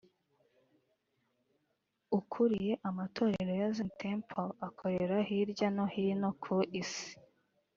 ukuriye amatorero ya Zion Temple akorera hirya no hino ku isi